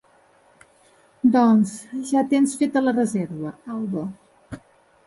Doncs ja tens feta la reserva, Alba.